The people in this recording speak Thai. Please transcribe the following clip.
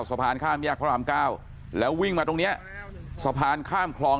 สะพานข้ามแยกพระรามเก้าแล้ววิ่งมาตรงเนี้ยสะพานข้ามคลอง